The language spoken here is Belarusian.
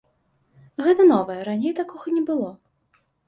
Гэта новае, раней такога не было.